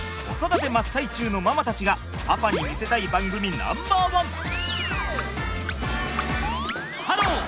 子育て真っ最中のママたちがパパに見せたい番組ナンバーワン！